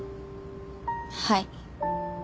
はい。